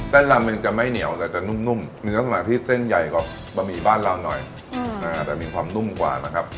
ลำมันจะไม่เหนียวแต่จะนุ่มมีลักษณะที่เส้นใหญ่กว่าบะหมี่บ้านเราหน่อยแต่มีความนุ่มกว่านะครับ